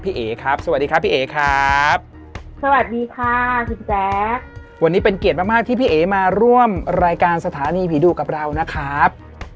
เอ๋ครับสวัสดีครับพี่เอ๋ครับสวัสดีค่ะคุณแจ๊ควันนี้เป็นเกียรติมากมากที่พี่เอ๋มาร่วมรายการสถานีผีดุกับเรานะครับ